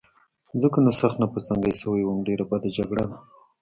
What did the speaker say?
ځکه نو سخت نفس تنګی شوی یم، ډېره بده جګړه ده.